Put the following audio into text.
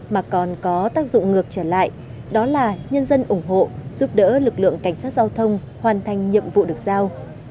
mà còn có tác dụng ngược trở lại đó là nhân dân ủng hộ giúp đỡ lực lượng cảnh sát giao thông hoàn thành nhiệm vụ được giao